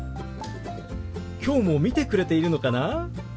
きょうも見てくれているのかな？